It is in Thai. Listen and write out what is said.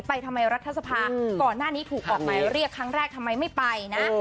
ทำไมรัฐสภาก่อนหน้านี้ถูกออกหมายเรียกครั้งแรกทำไมไม่ไปนะ